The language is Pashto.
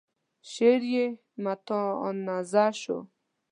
شعر يې متنازعه شو.